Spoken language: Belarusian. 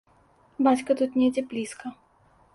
Бацька тут недзе блізка.